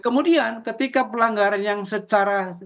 kemudian ketika pelanggaran yang secara